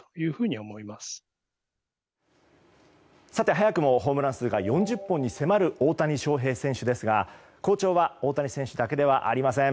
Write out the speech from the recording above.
早くもホームラン数が４０本に迫る大谷翔平選手ですが、好調は大谷選手だけではありません。